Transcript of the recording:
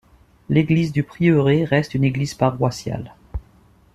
L'église du prieuré reste une église paroissiale.